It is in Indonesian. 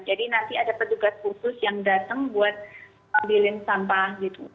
jadi nanti ada petugas khusus yang datang buat ambilin sampah gitu